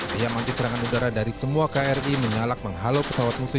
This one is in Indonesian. pihak mancis serangan udara dari semua kri menyalak menghalau pesawat muslim